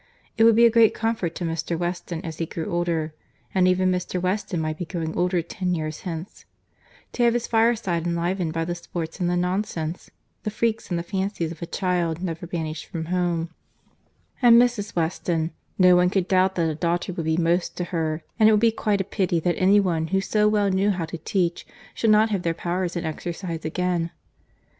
It would be a great comfort to Mr. Weston, as he grew older—and even Mr. Weston might be growing older ten years hence—to have his fireside enlivened by the sports and the nonsense, the freaks and the fancies of a child never banished from home; and Mrs. Weston—no one could doubt that a daughter would be most to her; and it would be quite a pity that any one who so well knew how to teach, should not have their powers in exercise again.